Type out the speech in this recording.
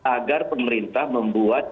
agar pemerintah membuat